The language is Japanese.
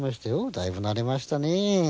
だいぶなれましたね。